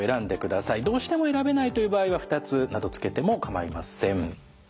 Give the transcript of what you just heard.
どうしても選べないという場合は２つなどつけても構いません。